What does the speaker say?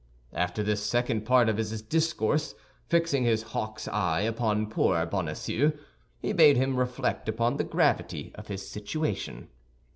After this second part of his discourse, fixing his hawk's eye upon poor Bonacieux, he bade him reflect upon the gravity of his situation.